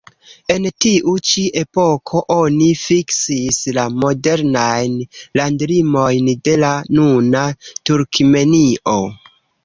En tiu ĉi epoko oni fiksis la modernajn landlimojn de la nuna Turkmenio.